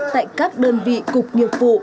tại các đơn vị cục nghiệp vụ